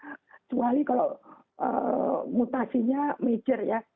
kecuali kalau mutasinya major ya